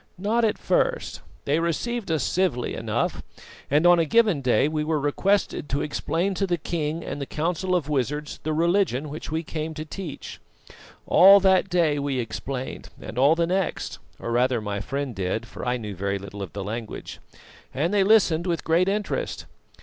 "Not at first. They received us civilly enough; and on a given day we were requested to explain to the king and the Council of Wizards the religion which we came to teach. All that day we explained and all the next or rather my friend did, for I knew very little of the language and they listened with great interest.